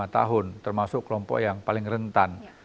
lima tahun termasuk kelompok yang paling rentan